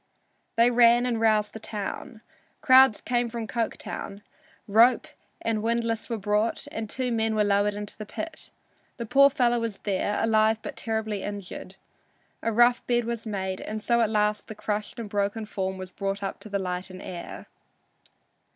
They ran and roused the town. Crowds came from Coketown. Rope and windlass were brought and two men were lowered into the pit. The poor fellow was there, alive but terribly injured. A rough bed was made, and so at last the crushed and broken form was brought up to the light and air.